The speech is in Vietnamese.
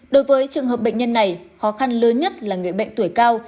đối với trường hợp bệnh nhân này khó khăn lớn nhất là người bệnh tuổi cao